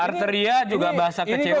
arteria juga bahasa kecewa juga biasa